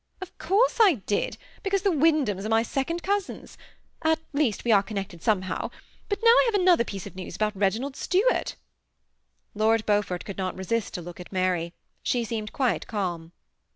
" Of course I did, because the Wyndhams are my second cousins, — at least, we are connected somehow ; but now I have another piece of news about Reginald Stuart" Lord Beaufort could not resist a look at Mary. She seemed quite calm.